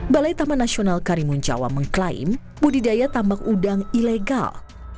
balai taman nasional karimun jawa mengklaim budidaya tambak udang ilegal